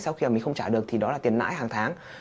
sau khi mà mình không trả được thì đó là tiền nãi hàng tháng